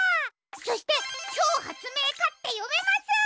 そして「ちょうはつめいか」ってよめます！